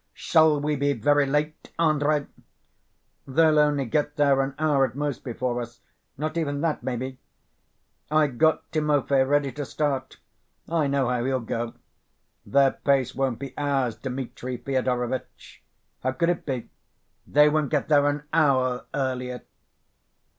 Shall we be very late, Andrey?" "They'll only get there an hour at most before us, not even that maybe. I got Timofey ready to start. I know how he'll go. Their pace won't be ours, Dmitri Fyodorovitch. How could it be? They won't get there an hour earlier!"